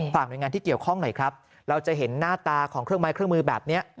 หน่วยงานที่เกี่ยวข้องหน่อยครับเราจะเห็นหน้าตาของเครื่องไม้เครื่องมือแบบนี้